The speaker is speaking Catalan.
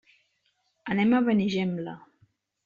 Anem a Benigembla.